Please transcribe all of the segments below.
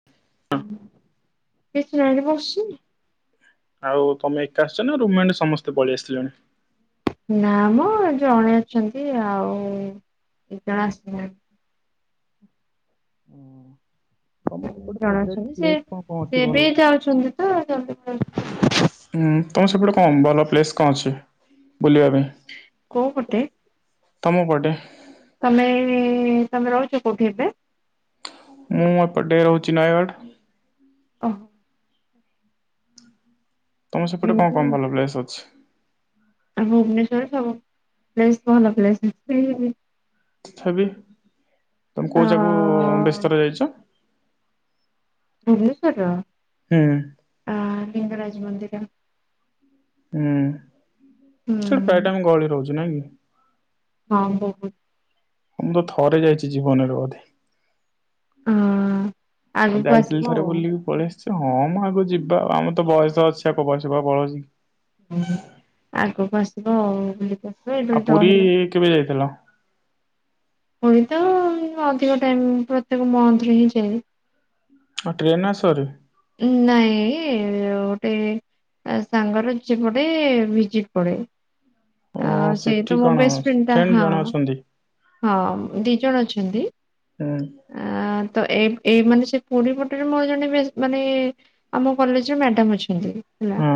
[inaudible] କି ସୁୁଣାଣି ବି ବସିନି ଆଉ ତମେ ଏକା ଆସିଛ ନା ରୁମଣ୍ଡ୍ ସମସ୍ତେ ପଳେଇ ଆସି ଥେବେନା। ନାମ ଜଣେ ଅଛନ୍ତି ଆଉ ଏ ଜଣ ଆସିଛନ୍ତି ହୁ ତମ ସେପଟେ ଜଣେ ଫେବରେଟ୍ ଅଛନ୍ତି ସେ ପିଲେଟ୍ କଣ ସେ ପହଞ୍ଚିବ ବି ଭଲ ଭଲ ଯାଉଛନ୍ତି ତ ଜଲଦି ପଳଉଛନ୍ତି ହୁଁ ତମେ ସେପଟେ କଣ ଭଲ ପ୍ଲେସ୍ କଣ ଅଛି ବୁଲିବା ପାଇଁ କୋଉ ପଟେ ତମ ପଟେ ତମେ [unintelligible] ତମେ ରହୁଛ କୋଉଠି ବେଧୋ ମୁଁ ଏପଟେ ରହୁଚି ନୟାଗଡ଼ ଓହ ତମ ସେପଟେ କଣ ଏମିତି କଣ ଭଲ ପ୍ଲେସ୍ ଅଛି। ଆମ ଭୁବନେଶ୍ୱରରେ ସବୁ ପ୍ଲେସ୍ ଭଲ ସେଥିରେ [unintelligible] ହେଁ ବେକ୍ ତମେ ଅ କୋଉ ଯାଗାକୁ ବ୍ୟସି ଥର ଯାଇଚ ଭୁବନେଶ୍ଵର ହୁଁ ଆଁ ଲିଙ୍ଗରାଜ୍ ମନ୍ଦିର ହୁଁ [unintelligible] ଗହଳି ରହୁଚି ନାଇଁ କି ହଁ ବହୁତ୍ ମୁଁ ତ ଥରେ ଯାଇଚି ଜୀବନ ରେ ଅଧୋ। ଅ ଆଗକୁ ଯାଇଥିଲି ଆସିବ ଥରେ ଆଉ ବୁଲିକି ପଳେଇ ଆସିଛି। ସେ ହଁ ମ ଆଗକୁ ଯିବା, ଆଉ ଆମର ତ ବୟସ ଅଛି ଆ କୋଉ ବୟସ କଣ ପଳଉଛି କି? [inaudible] ଆଗକୁ ଆସିବ ଆଉ [unintelligible] ଆଉ ପୁରୀ ରହିଲେ କେବେ ଯାଇଥିଲ? ହୁଏ ତ ଅଧିକ ଟାଇମ ପ୍ରତ୍ୟେକ ମନ୍ଥରେ ହିଁ ଯାଏ। ହଁ ଟ୍ରେନରେ ଆସ ଭାରି? ଉଁ ନାଇଁ ଅ ଗୋଟେ ତା ସାଙ୍ଗର ଚେପଟେ ବିଜିଟ୍ ପଡେ। ଓ ଆଁ ସେ ସେଠି ତ ମୋ କଣ ବେଷ୍ଟଫ୍ରେଣ୍ଡଟା। ଫ୍ରେଣ୍ଡ ହଁ ଜଣେ ଅଛନ୍ତି। ହଁ, ଦି ଜଣ ଅଛନ୍ତି। ହୁଁ। ଆଁ ତ ଏ ଏଇ ମାନେ ସେ ପୁରୀ ପଟରେ ମୋର ଜଣେ ବେ ମାନେ ଆମ କଲେଜରେ ମ୍ୟାଡାମ ଅଛନ୍ତି ହେଲା। ହଁ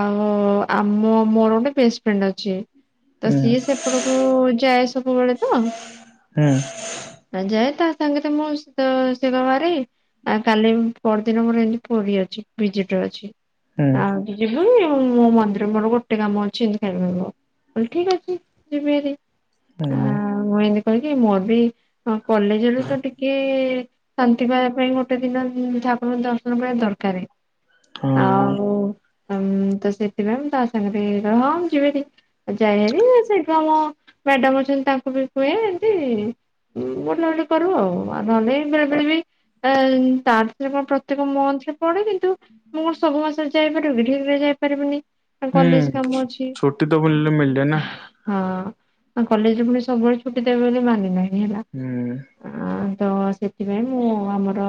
ଆଉ ଆମ ମୋର ଗୋଟେ ବେଷ୍ଟଫ୍ରେଣ୍ଡ ଅଛି। ତ ହୁଁ ସିଏ ସେପଟକୁ ଯାଏ ସବୁବେଳେ ତ। ହୁଁ ଆ ଯାଏ ତା ସାଙ୍ଗେ ତ ମୁଁ ଶ ଶ ମାରି, ଆ କାଲି ପରଦିନ ମୋର ଏମିତି ପୁରୀ ଅଛି, ଭିଜିଟରେ ଅଛି। ହୁଁ। ଯିବୁ ମୁଁ ମୋ ମନ୍ଦିର ମୋର ଗୋଟେ କାମ ଅଛି, ଯେମିତି [unintelligible] କହିଲି ଠିକ ଅଛି ଯିବି ଭାରି। ହୁଁ। ମୁଁ ଏମିତି କହିକି, ମୋର ବି କଲେଜରେ ତ ଟିକେ ଶାନ୍ତି ପାଇବା ପାଇଁ ଗୋଟେ ଦିନ ଠାକୁରଙ୍କ ଦର୍ଶନ ପାଇଁ ଦରକାରେ। ହଁ ଆଉ ତ ସେଥିପାଇଁ ମୁଁ ତା ସାଙ୍ଗରେ, ହଁ ମୁ ଯିବି [unintelligible] ଆଉ ଯାଏ ଭାରି, ସେଇଠୁ ଆମ ମ୍ୟାଡାମ ଅଛନ୍ତି ତାଙ୍କୁ ବି କୁହେ ଏମତି ବୁଲାବୁଲି କରୁ ଆଉ ଆ ନହେଲେ ବେଳେବେଳେ ବି ଏ ତା ସେ କଣ ପ୍ରତ୍ୟେକ ମନ୍ଥରେ ପଡେ କିନ୍ତୁ ମୁଁ କଣ ସବୁ ମାସରେ ଯାଇପାରିବି କି, ଠିକରେ ଯାଇପାରିବିନି। ହୁଁ କଲେଜ କାମ ଅଛି। ଛୁଟି ତ ବୁଲିଲେ ମିଳିଲେ ନା ହଁ କଲେଜରେ ପୁଣି ସବୁବେଳେ ଛୁଟି ଦେବେ ବୋଲି ମାନେ ନାହିଁ। ହେଲା, ହୁଁ। ଆଁ ତ ସେଥିପାଇଁ ମୁଁ ଆମର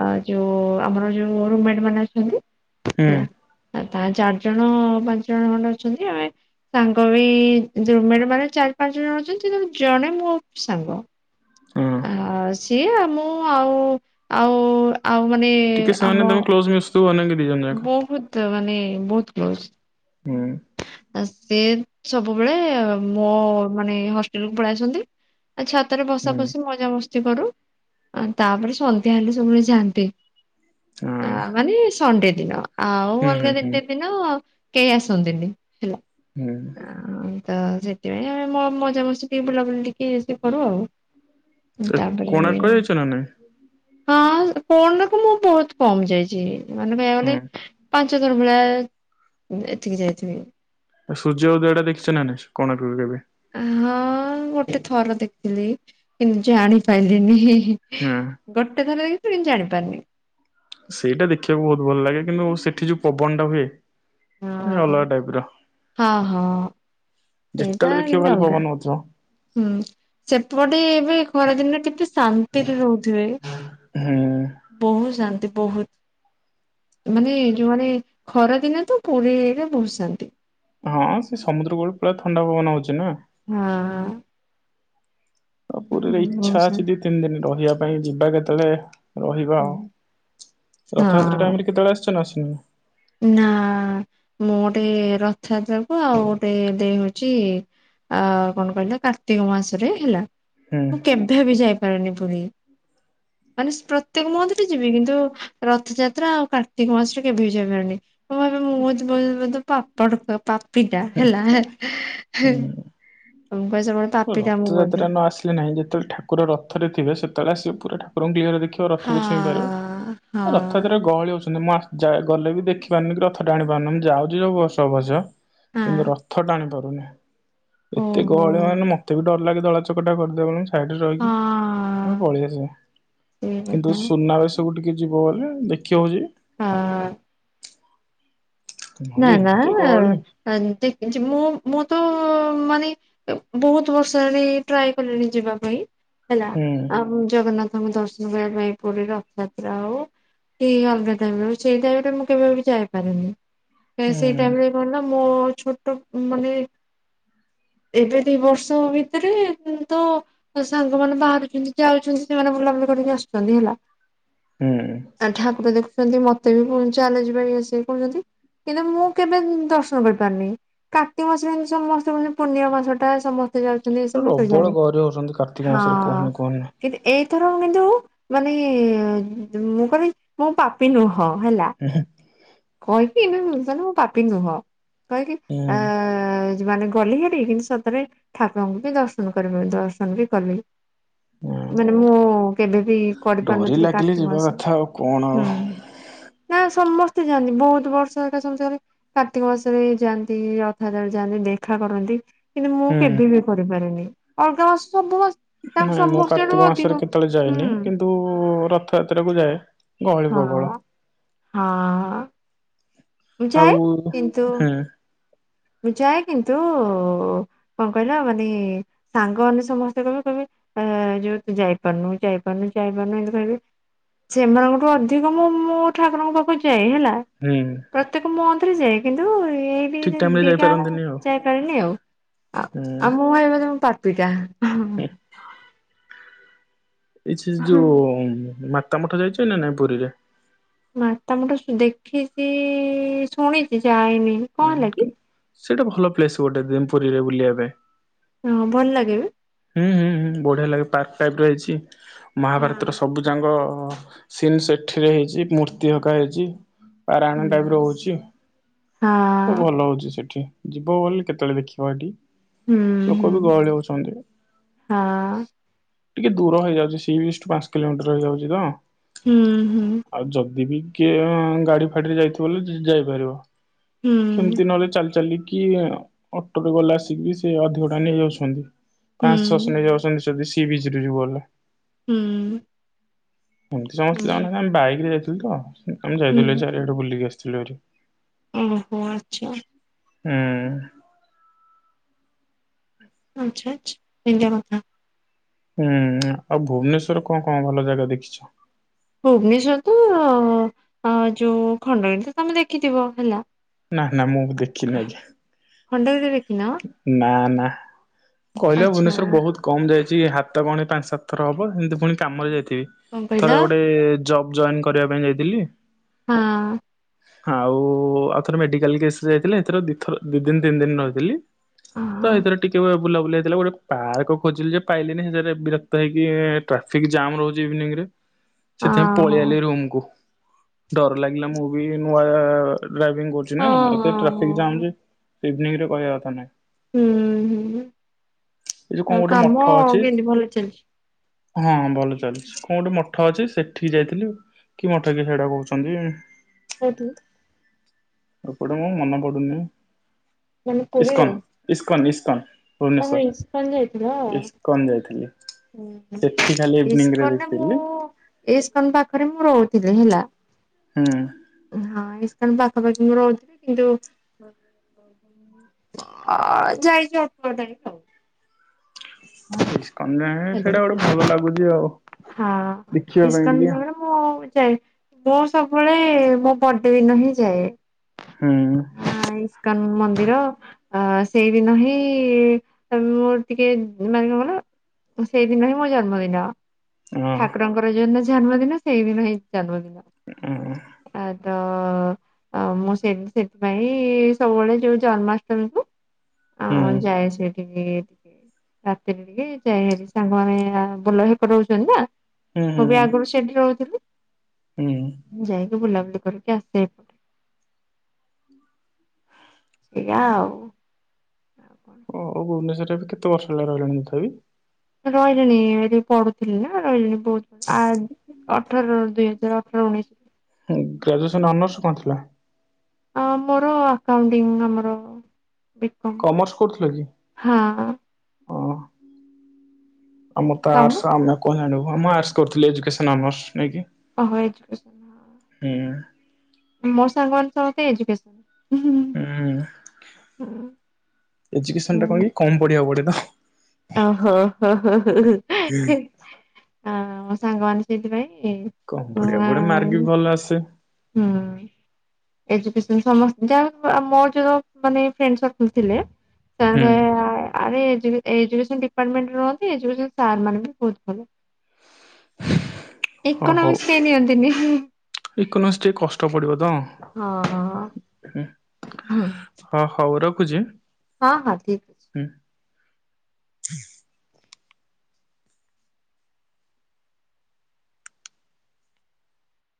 ଆ ଯୋଉ ଆମର ଯୋଉ ରୁମମେଟମାନେ ଅଛନ୍ତି, ହୁଁ ସେଇୟା। ଆ ତା ଚାରିଜଣ, ପାଞ୍ଚଜଣ ଖଣ୍ଡେ ଅଛନ୍ତି। ଆମେ ସାଙ୍ଗ ବି ରୁମମେଟମାନେ ଚାରି, ପାଞ୍ଚଜଣ ଅଛନ୍ତି, ସେଥିରୁ ଜଣେ ମୋ ସାଙ୍ଗ। ହଁ। ଆ ସିଆ, ମୁଁ ଆଉ-ଆଉ-ଆଉ ମାନେ ଟିକେ ଆମ [unintelligible] ମିଶୁଥିବ [unintelligible] ବହୁତ ମାନେ ବହୁତ କ୍ଲୋଜ। ହୁଁ। ଆ ସେ ସବୁବେଳେ ମୋ ମାନେ ହଷ୍ଟେଲକୁୁ ପଳେଇ ଆସନ୍ତି। ଆଉ ଛାତରେ ବସା ହୁଁ ଫସିି ମଜାମସ୍ତି କରୁ, ଆ ତାପରେ ସନ୍ଧ୍ୟା ହେଲେ ସବୁବେଳେ ଯାଆନ୍ତି। ହଁ ଆ ମାନେ ସଣ୍ଡେ ଦିନ ଆଉ ହୁଁ ହୁଁ ଅଲଗା ଦି ହୁଁ ଦିନି ଆଉ କେହି ଆସନ୍ତିନି ହେଲା। ହୁଁ। ଆ ତ ସେଥିପାଇଁ ଆମେ ମ-ମଜାମସ୍ତି ଟିକେ ବୁଲାବୁଲି ଟିକେ ଇଏ ଶିଏ କରୁ ଆଉ। ଉଁ ଏ ତାପରେ କୋଣାର୍କ ଯାଇଛ ନା ନାଇଁ ହଁ କଣ ନାକୁ ମୁଁ ବହୁତ କମ ଯାଇଛି, ମାନେ କହିବାକୁ ଗଲେ ହୁଁ। ପାଞ୍ଚ ପାଞ୍ଚ ଥର ମେଳା ଏଥିକି ଯାଇଥିବି। ଆ ସୂର୍ଯ୍ୟ ଓ ଦୟଟା ଦେଖଛ ନା ନାଇଁ କୋଣାର୍କରୁ କେବେ? ହଁ ଗୋଟେ ଥର ଦେଖିଲି କିନ୍ ଜାଣିପାରିଲିନି। ହୁଁ। ଗୋଟେଥରରେ କିିଛି ଜାଣିପାରିନି। ସେଇଟା ଦେଖିବାକୁ ବହୁତ ଭଲ ଲାଗେ କିନ୍ତୁ ସେଠି ଯୋଉ ପବନଟା ହୁଏ। ହଁ ଅଲଗା ଟାଇପ ର। ହଁ ହଁ ସେଇଟା ଯେତେବେଳେ ଦେଖିବ ଟିକେ ଖାଲି ଅଲଗା। ପବନ ହଉଥିବ ଉଁ ସେପଟେ ଏବେ ଖରାଦିନେ କେତେ ଶାନ୍ତିରେ ରହୁଥିବେ। ହୁଁ ବହୁତ ଶାନ୍ତି ବହୁତ। ମାନେ ଯୋଉମାନେ ଖରାଦିନେ ତ ପୁରୀରେ ବହୁତ ଶାନ୍ତି। ହଁ ସେ ସମୁଦ୍ର କୂଳରେ ପୁରା ଥଣ୍ଡା ପବନ ଆଉଚି ନା। ହଁ। ଆଉ ପୁରୀରେ ବହୁତ ଇଚ୍ଛା ଅଛି ଶାନ୍ତି ଦି ତିନି ଦିନ ରହିବା ପାଇଁ ଯିବା କେତେବେଳେ। ରହିବା ହଁ ଆଉ ରଥଯାତ୍ରା ଟାଇମ ରେ କେତେବେଳେ ଆସିଚ ନା ଆସିନ? ନା ମୁଁ ଗୋଟେ ରଥଯାତ୍ରାକୁ ଆଉ ଗୋଟେ ଏବେ ହଉଚି ଆଉ କଣ କହିଲେ କାର୍ତ୍ତିକ ମାସରେ ହେଲା ହୁଁ ମୁଁ କେଭେ ବି ଯାଇପାରେନି ପୁରୀ। ମାନେ ସ ପ୍ରତ୍ୟେକ ମନ୍ଥ ବି ଯିବି କିନ୍ତୁ ରଥଯାତ୍ରା ଆଉ କାର୍ତ୍ତିକ ମାସରେ କେଭେ ଜମାନି। ମୁଁ ଭାବେ ମୁଁ ବହୁତ ବ ବୋଧେ ପାପଡ ପାପିଟା ହେଲା ହେଃ ହୁଁ ବୋଧେ। ରଥଯାତ୍ରା ନ ଆସିଲେ ନାହିଁ ଯେତେବେଳେ ଠାକୁର ରଥରେ ଥିବେ ସେତେବେଳେ ଆସିବ ପୁରା ଠାକୁରଙ୍କୁ କ୍ଲିଅର ଦେ ଖିବ ହଁ ରଥକୁ ଛଇଁ ପାରିବୁ ହଁ ରଥଯାତ୍ରା ରେ ଗହଳି ହଉଛି। ମାନେ ମୁଁ ଆସ ଯାଏ ଗଲେ ବି ଦେଖିପାରୁନି କି ରଥ ଟାଣି ପାରୁନି ମୁଁ ଯାଉଛି ସବୁ ବର୍ଷ ଅବଶ୍ୟ। କିନ୍ତୁ ହଁ। ରଥ ଟାଣି ପାରୁନି ଏତେ ଓହୋ ଗହଳି ମାନେ ମ ତେବେ ଡର ଲାଗେ ଦଳା ଚକଟା କରିଦେବେଣୀ। ସାଇଡିରେ ହଁ ରହିକି ମୁଁ ପଳେଇ ଆସେ ସେଇ କିନ୍ତୁ କଥା ସୁନାବେଶ କୁ ଟି କିଏ ଯିବ ବୋଲେ ଦେଖି ହଉଯି। ହଁ। ନା ନହେଲେ ନା ଏତେ ଗହଳି ଏମିତି କିଛି ମୁଁ ମୁଁ ତ ମାନେ ବହୁତ ବର୍ଷ ହେଲାଣି ଟ୍ରାଏ କଲିଣି ଯିବା ପାଇଁ ହେଲା ହୁଁ ଆଉ ଜଗନ୍ନା ଥ ଙ୍କୁ ଦର୍ଶନ କରିବା ପାଇଁ ପୁରୀ ରଥଯାତ୍ରା ହଉ। ଏଇ ଅଲଗା ଟାଇମିରେ ସେଇ ଟାଇମି ଟା ମୁଁ କେବେ ବି ଯାଇପାରେନି। ଏ ସେଇ ହୁଁ ଟାଇମ ରେ କଣ ନା ମୋ ଛୋଟ ମାନେ ଏବେ ଦି ବର୍ଷ ଭିତରେ ତ ମୋ ସାଙ୍ଗ ମାନେ ବାହାରିକିନି ଜାଉଛନ୍ତି ସେମାନେ ବୁଲାବୁଲି କରିକି ଆସୁଚନ୍ତି ହେଲା। ହୁଁ। ଆଉ ଠାକୁର ଦେଖୁଛନ୍ତି ମତେ ବି ପୁଣି ଚାଲ ଯିବା ଇଏ ସିଏ କହୁଛନ୍ତି। କିନ୍ତୁ ମୁଁ କେବେ ଦର୍ଶନ କରିପାରିନି। କାର୍ତ୍ତିକ ମାସରେ ଏମତି ସମସ୍ତେ ମାନେ ପୁନିଅଁ ମାସ ଟା ସମ ତେ ଯାଉଛନ୍ତି ଏ ସମୟ ରେ ତୁ ପ୍ରବଳ ଯାନି। ଗହଳି ହଉଛନ୍ତି କାର୍ତ୍ତିକ ମାସରେ କୁହନି କୁହନି ଏଇଥର କିନ୍ତୁ ମାନେ ମୁଁ କହିବି ମୁଁ ପାପି ନୁହଁ ହେଲା। ଉଁ ହୁଁ। କହିକି [unintelligible] ମୁଁ ପାପି ନୁହଁ କହିକି ହୁଁ ଆଁ ଯେ ମାନେ ଗଲି ହେରି କିନ୍ତୁ ସତରେ ଠାକୁରଙ୍କୁ ବି ଦର୍ଶନ କରି [unintelligible] ଦର୍ଶନ ବି କଲି। ହୁଁ ମାନେ ମୁଁ କେବେ ବି ଡୋରି କରିପାରୁନଥିଲି ଲାଗିଲେ କାର୍ତ୍ତିକ ଯିବା ମାସ କଥା ଆଉ କଣ ଆଉ ହୁଁ। ନା ସମସ୍ତେ ଯାଆନ୍ତି ବହୁତ ବର୍ଷ ହେରିକା ସମସ୍ତେ କାର୍ତ୍ତିକ ମାସରେ ଯାଆନ୍ତି ରଥଯାତ୍ରା ବେଳେ ଯାଆନ୍ତି ଦେଖା କରନ୍ତି। କିନ୍ତୁ ମୁଁ ହୁଁ କେବେ ବି କରିପାରିନି ଅଲଗା ମାସ ସବୁ ମାସ ତାଙ୍କ ନାଇଁ ମୁଁ ସମସ୍ୟାଠୁ କାର୍ତ୍ତିକ ଅଧିକ ମାସରେ କେତେବେଳେ ହୁଁ ଯାଏନି କିନ୍ତୁ ରଥଯାତ୍ରାକୁ ଯାଏ। ଗହଳିି ହଁ ପ୍ରବଳ। ହଁ! ଆଉ ଯାଏ ହୁଁ କିନ୍ତୁ ମୁଁ ଯାଏ କିନ୍ତୁ କଣ କହିଲ ମାନେ ସାଙ୍ଗମାନେ ସମସ୍ତେ କହିବେ କହିବେ ଯୋଉ ତୁ ଯାଇପାରୁନୁ ଯାଇପାରୁନୁ ଯାଇପାରୁନୁ ଏମିତି କହିବେ। ସେମାନଙ୍କଠୁ ଅଧିକ ମୁଁ ମୁଁ ଠାକୁରଙ୍କ ପାଖକୁ ଯାଏ ହେଲା। ହୁଁ। ପ୍ରତ୍ୟେକ ମନ୍ଥ୍ ରେ ଯାଏ କିନ୍ତୁ ଏଇ ଠିକ୍ ଟାଇମରେ ଯାଇପାରନ୍ତିନି ଆଉ ଯାଇ ପାରେନି ଆଉ ଆଉ ମୁଁ କହିବ ତମ ପାପୀଟା ହୁଁ ଏଇ ସେ ହଁ। ଯୋଉ ମାତା ମଠ ଯାଇଛ ନା ନାଇଁ ପୁରୀରେ ମାତା ମଠ ଦେଖିଛି ଶୁଣିଛି ଯାଇନି କଣ ହୁଁ ହେଲା କି? କିନ୍ତୁ ସେଇଟା ଭଲ ପ୍ଲେସ୍ ଗୋଟେ ପୁରୀରେ ବୁଲିବା ପାଇଁ ହଁ ଭଲ ଲାଗେ ହୁଁ ହୁଁ ହୁଁ ବଢିଆ ଲାଗେ ପାର୍କ ଟାଇପ୍ ର ହେଇଛି ମହାଭାରତର ସବୁ ଯାଙ୍କ ସିନ୍ ସେଠିରେ ହେଇଛି ମୂର୍ତ୍ତି ହକା ହେଇଛି ପାରାୟଣ ଟାଇପ ର ହୁଁ ହଉଛି ହାଁ ସବୁ ଭଲ ହଉଛି ସେଠି ଯିବ ବୋଲି କେତେବେଳେ ଦେଖିବା ଏଠି ହୁଁ ଲୋକ ବି ହୁଁ ଗହଳି ହଉଛନ୍ତି ହଁ ଟିକେ ଦୂର ହେଇଯାଉଛିି ସି ବିଚ୍ ଠୁ ପାଞ୍ଚ କିଲୋମିଟର ହେଇଯାଉଛି ତ ହୁଁ ହୁଁ ଆଉ ଯଦି ବି କିଏ ଗାଡି ଫାଡୀରେ ଯାଇଥିବ ହେଲେ ଯାଇପାରିବ ସେମିତି ନହେଲେ ଚାଲି ଚାଲିକି ଅଟୋରେ ଗଲା ଆସିକି ବି ସେ ଅଧିକ ଟଙ୍କା ନେଇଯାଉଛନ୍ତି ହୁଁ ପାଆଶହ ଛଅଶ ନେଇଯାଉଛନ୍ତି ଯଦି ସି ବିଚ୍ ରୁ ଯିବ ହେଲେ ହୁଁ ଏମିତି ହୁଁ ସମସ୍ତେ ହୁଁ ଜଣ ଆମେ ବାଇକ ରେ ଯାଇଥିଲୁ ତ ଆମେ ଯାଇଥିଲୁ ହୁଁ। ଚାରିଆଡ଼େ ବୁଲିକି ଆସିଥିଲୁ ହାରି ଓହୋ ଆଚ୍ଛା ହୁଁ ଆଚ୍ଛା ଆଞା ଏମିତିଆ କଥା ହୁଁ ଆଉ ଭୁବନେଶ୍ଵରରେ କଣ କଣ ଭଲ ଯାଗା ଦେଖିଛ ଭୁବନେଶ୍ଵରରେ ତ ଯୋଉ ଖଣ୍ଡଗିରି ତ ତମେ ଦେଖିଥିବ ହେଲା ନା ନା ମୁଁ ବି ଦେଖିନି ଆଜ୍ଞା ଖଣ୍ଡଗିରି ଦେଖିନ? ନା ନା କହିଲ ଆଚ୍ଛା ଭୁବନେଶ୍ଵର ବହୁତ କମ୍ ଯାଇଛି ହାତ ଗଣତି ପାଞ୍ଚ ସାତ ଥର ହବ ଏମତି ପୁଣି କାମରେ ଯାଇଥିବି କଣ କହିଲ ଥର ଗୋଟେ ଜବ୍ ଜଏନ୍ କରିବା ପାଇଁ ଯାଇଥିଲି ହଁ ଆଉ ଆଉ ଥର ମେଡିକାଲ କେସ୍ ରେ ଯାଇଥିଲେ ଏଥିରେ ଦିଇଥର ଦି ଦିନ ତିନି ଦିନ ରହିଥିଲି ତ ଓହୋ ଏଇଥିରେ ଟିକେ ବୁଲାବୁଲି ହେଇଥିଲା ଗୋଟେ ପାର୍କ ଖୋଜିଲି ଯେ ପାଇଲିନି ସେଥିରେ ବିରକ୍ତ ହେଇକି ଟ୍ରାଫିକ୍ ଜାମ୍ ରହୁଛି ଇଭିନିଂରେ ସେଥିପାଇଁ ଓହୋ ପଳେଇ ଆଇଲି ରୁମ୍ କୁୁ ଡର ଲାଗିଲା ମୁଁ ବି ନୂଆ ଡ୍ରାଇଭିଂ କରୁଛି ହଁ ନା ଏତେ ହଁ ଟ୍ରାଫିକ୍ ହଁ। ଜାମ୍ ସେ ଇଭିନିଂ ରେ କହିବା କଥା ନାଇଁ ହୁଁ ହୁଁ ଏ ଯୋଉ କଣ ଆ ଗୋଟେ ମଠ କାମ ଅଛି କେମିତି ଭଲ ଚାଲିଛି। ହଁ ଭଲ ଚାଲିଛି କଣ ଗୋଟେ ମଠ ଅଛି ସେଠିକି ଯାଇଥିଲି। କି ମଠ କି ସେଇଟା କହୁଛନ୍ତି। କଉଠୁ ରପଟେ ମୁ ମନେପଡୁନି ମାନେ ପୁରୀରେ ଇସ୍କନ୍ ଇସ୍କନ୍ ଇସ୍କନ୍। ତମେ ଇସ୍କନ ଯାଇଥିଲ? ଭୁବନେଶ୍ଵର ଇସ୍କନ ଯାଇଥିଲି। ସେଠି ଖାଲି ଇଭିନିଂରେ ଦେଖିଥିଲି। ଏଇସ୍କନ ପାଖରେ ମୁଁ ରହୁଥିଲି ହେଲା। ହୁଁ ହଁ ଏ କଣ ପାଖାପାଖି ମୁଁ ରହୁଥିଲି କିନ୍ତୁ ଯାଇଛ ଅତଟ ଆ [inaudible] ଇସ୍କନ ଆଉ। ସେଇଟା ଗୋଟେ ଭଲ ଲାଗୁଛି ଆଉ ହଁ ଦେଖିବା ପାଇଁ ଟିକେ ଇସ୍କନ ମୁଁ ଯାଏ ମୁଁ ସବୁବେଳେ ମୋ ବର୍ଡେ ଦିନ ହିଁ ଯାଏ। ହୁଁ ହଁ ଇସ୍କାନ ମନ୍ଦିର। ଅ ସେଇଦିନହିଁ ମୋର ଟିକେ ମାନେ କର ସେଇଦିନ ହିଁ ମୋ ଜନ୍ମଦିନ। ହୁଁ ଠାକୁରଙ୍କର ଯୋଉ ଦିନ ଜନ୍ମଦିନ ସେଇଦିନ ହିଁ ଜନ୍ମଦିନ। [inaudible] ଆ ତ ମୁଁ ସେ ସେଥିପାଇଁ ସବୁବେଳେ ଯୋଉ ଜନ୍ମାଷ୍ଟମୀକୁୁ ଆ ଯାଏ ସେଠିକି। ଟିକେ ଟିକେ ରାତିରେ ଟିକେ ଯାଇ ସାଙ୍ଗମାନେ ଭଲ ହେକଟ ହଉଛନ୍ତି ନା। ହୁଁ ମୁଁ ବି ହୁଁ ଆଗରୁ ସେଠି ରହୁଥିଲି। ହୁଁ। ମୁଁ ଯାଇକି ବୁଲାବୁଲି କରିକି ଆସିବା ଏଇଠୁ। ସେୟା ଆଉ। ଆଉ କଣ ଓ ଭୁବନେଶ୍ୱରରେ ବି କେତେ ବର୍ଷ ହେଲା ରହିଲଣି ତଥାପି। ରହିଲିଣି ଏଇଠି ପଢୁଥିଲି ନା ରହିଲିଣି ବହୁତ। ଆ ଅଠର ଦୁଇ ହଜାର ଅଠର ଉଣେଇଶ। ଗ୍ରାଜୁଏସନ୍ ଅନର୍ସ କଣ ଥିଲା? ମୋର ଆକାଉଣ୍ଟିଙ୍ଗ ଆମର ବିକମ୍ କମର୍ସ କରୁଥିଲ କି? ହଁ। ହଁ ଆମର ତ ତମ ଆର୍ଟସ୍ ଆମେ। ମୋର ଆର୍ଟସ୍ କରୁଥିଲି ଏଜୁକେସନ ଅନର୍ସ ନେଇକି। ଓ ଏ ହୁଁ ମୋ ସାଙ୍ଗ ମାନେତ ଏଜୁକେସନ। ହୁଁ ହୁଁ ହୁଁ। ଏଜୁକେସନଟା ହୁଁ। କଣ କି କମ ପଢିବାକୁ ପଡେ ତ। ଓହୋ ହୋ ଆ ମୋ ସାଙ୍ଗମାନେ ସେଇଥିପାଇଁ କଣ ବଢିଆ ଆ ବଢିଆ ମାର୍କ ବି ଭଲ ଆସେ। ହୁଁ। ଏ ଯାହା ମୋର ଯୋ ମାନେ ଫ୍ରେଣ୍ଡ ସର୍କଲ ଥିଲେ। [inaudible] ହୁଁ। ଆରେ ଏଜୁକେସନ ଡିପାର୍ଟମେଣ୍ଟ ରୁହନ୍ତି ଏଜୁକେସନ ସାର୍ ମାନେ ବି ବହୁତ ଭଲ। ଇକୋନୋମିକ୍ସ କେ ନିଅନ୍ତିନି। ଇକୋନୋମିକସ୍ ଟିକେ କଷ୍ଟ ପଡ଼ିବ ତ। ହଁ ହଁ। ହଁ ହଁ ହଉ ରଖୁଚି। ହଁ ହଁ ଠିକ ଅଛି।